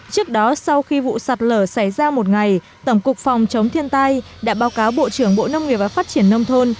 trước đó sau khi vụ sạt lở xảy ra một ngày tổng cục phòng chống thiên tai đã báo cáo bộ trưởng bộ nông nghiệp và phát triển nông thôn